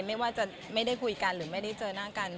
ไม่ว่าจะไม่ได้คุยกันหรือไม่ได้เจอหน้ากัน